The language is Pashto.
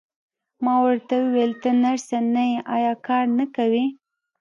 ما ورته وویل: ته نرسه نه یې، ایا کار نه کوې؟